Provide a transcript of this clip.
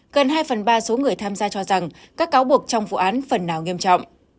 gần hai phần ba số người tham gia cho rằng các cáo buộc trong vụ án phần nào nghiêm trọng